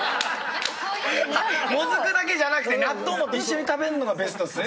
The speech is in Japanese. もずくだけじゃなくて納豆も一緒に食べるのがベストっすね。